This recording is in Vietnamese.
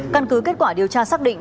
căn cứ kết quả điều tra xác định